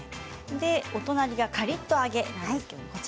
お隣はカリっと揚げですね。